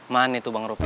mana itu bang rupi